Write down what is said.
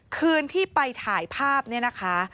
คืนที่ไปถ่ายภาพเนี่ยนะคะ